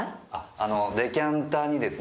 あのデカンターにですね。